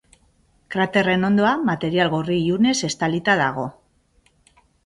Kraterren hondoa material gorri ilunez estalita dago.